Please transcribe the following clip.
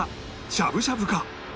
しゃぶしゃぶか？